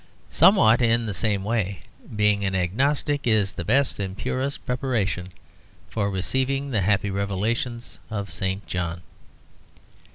Somewhat in the same way being an agnostic is the best and purest preparation for receiving the happy revelations of St. John.